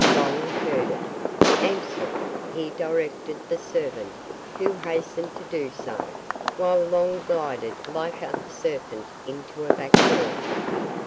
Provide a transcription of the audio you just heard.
Long heard it. "Answer it," he directed the servant who hastened to do so, while Long glided like a serpent into a back room.